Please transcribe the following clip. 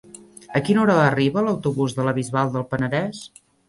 A quina hora arriba l'autobús de la Bisbal del Penedès?